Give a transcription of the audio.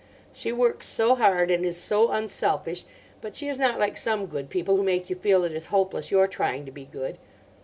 She works so hard, and is so unselfish. But she is not like some good people, who make you feel it is hopeless your trying to be good.